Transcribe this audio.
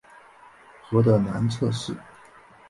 河的南侧是。